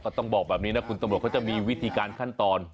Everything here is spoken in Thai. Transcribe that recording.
ต้องบอกแบบนี้นะคุณตำรวจเขาจะมีวิธีการขั้นตอน